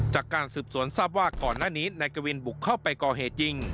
จากการสืบสวนทราบว่าก่อนหน้านี้นายกวินบุกเข้าไปก่อเหตุยิง